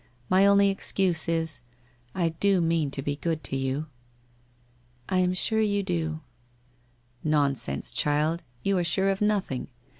My only excuse is, I do mean to be good to you.' ' I am sure you do.' ' Nonsense, child, you are sure of nothing.